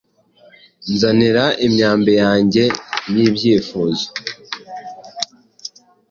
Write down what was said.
Nzanira imyambi yanjye y'ibyifuzo: